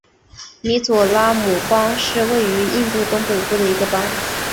米佐拉姆邦是位于印度东北部的一个邦。